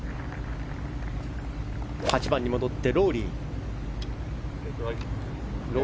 ８番に戻って、ロウリー。